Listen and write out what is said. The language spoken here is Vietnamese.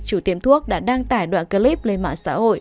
chủ tiệm thuốc đã đăng tải đoạn clip lên mạng xã hội